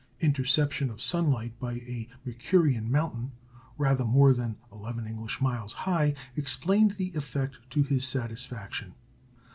Interception of sunlight by a Mercurian mountain rather more than eleven English miles high explained the effect to his satisfaction.